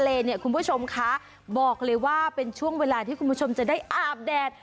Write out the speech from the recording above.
เที่ยวทะเลเนี่ยคุณผู้ชมคะบอกเลยว่าเป็นช่วงเวลาที่คุณผู้ชมจะได้อาบแดด